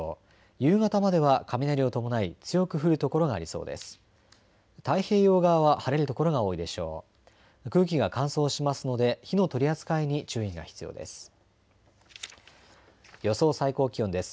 夕方までは雷を伴い強く降る所がありそうです。